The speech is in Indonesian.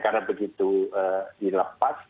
karena begitu dilepas